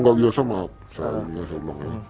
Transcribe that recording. gak terasa ada orang maksa buat ini